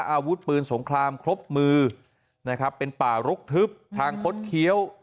อาวุธปืนสงครามครบมือนะครับเป็นป่ารกทึบทางคดเคี้ยว